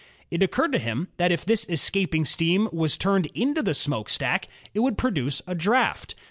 It occurred to him that if this escaping steam were turned into the smokestack, it would produce a draft.